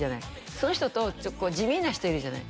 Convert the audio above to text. その人とちょっと地味な人いるじゃない？